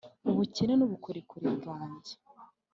ubukene n'ubukorikori bwanjye: